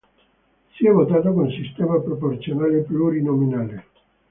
Si è votato con sistema proporzionale plurinominale.